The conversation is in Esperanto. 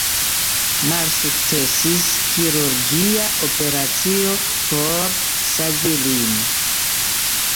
Malsukcesis kirurgia operacio por savi lin.